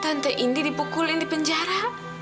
tante ini dipukulin di penjara